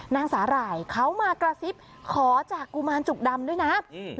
สาหร่ายเขามากระซิบขอจากกุมารจุกดำด้วยนะ